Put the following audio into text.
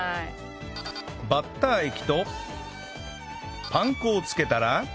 バッター液とパン粉をつけたら